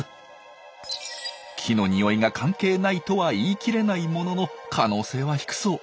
木の匂いが関係ないとは言い切れないものの可能性は低そう。